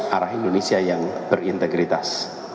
arah indonesia yang berintegritas